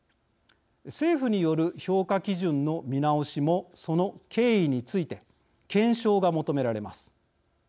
政府による評価基準の見直しもその経緯について検証が求められます。